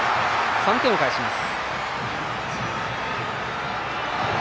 ３点を返します。